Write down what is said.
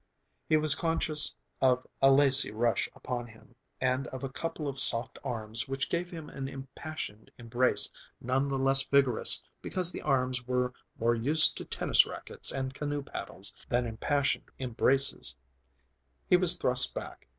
He was conscious of a lacy rush upon him, and of a couple of soft arms which gave him an impassioned embrace none the less vigorous because the arms were more used to tennis racquets and canoe paddles than impassioned embraces. Then he was thrust back...